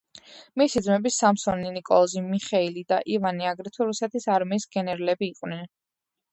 მისი ძმები, სამსონი, ნიკოლოზი, მიხეილი და ივანე აგრეთვე რუსეთის არმიის გენერლები იყვნენ.